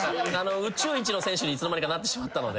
宇宙一の選手にいつの間にかなってしまったので。